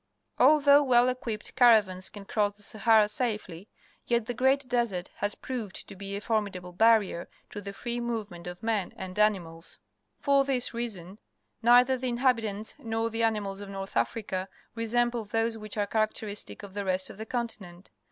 Although well equipped caravans can cross the Sahara safely, yet the great desert has proved to be a formidable barrier to the free movement of men and animals. For this reason neither the inhabitants nor the ani mals of North Africa resemble those which are characteristic of the rest of the continent.